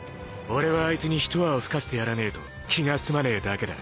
俺はあいつに一泡吹かしてやらねえと気が済まねえだけだ。